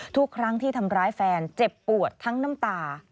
ทุกครั้งที่ทำร้ายแฟนเจ็บปวดทั้งน้ำตา